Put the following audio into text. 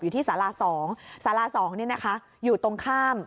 อยู่ที่สาลา๒สาลา๒นี่นะคะอยู่ตรงข้าม